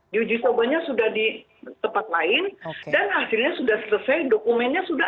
diuji cobanya sudah di tempat lain dan hasilnya sudah selesai dokumennya sudah